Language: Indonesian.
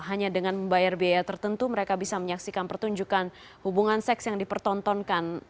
hanya dengan membayar biaya tertentu mereka bisa menyaksikan pertunjukan hubungan seks yang dipertontonkan